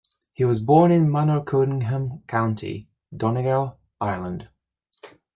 He was born in Manorcunningham, County Donegal, Ireland.